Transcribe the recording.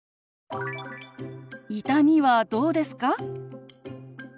「痛みはどうですか？」。